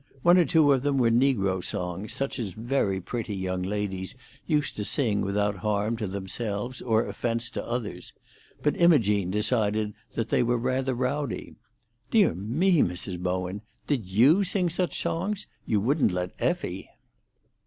One or two of them were negro songs, such as very pretty young ladies used to sing without harm to themselves or offence to others; but Imogene decided that they were rather rowdy. "Dear me, Mrs. Bowen! Did you sing such songs? You wouldn't let Effie!"